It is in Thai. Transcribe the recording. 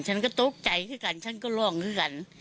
ฉันก็ตุ๊กใจที่กันฉันก็โล่งขึ้นกัน